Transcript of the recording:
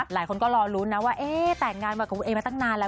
หลายคนก็รอรุ้นนะว่าแต่งงานมาตั้งนานแล้ว